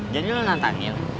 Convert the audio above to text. jadi lu nantangin